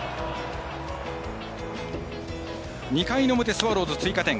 ２回の表、スワローズ追加点。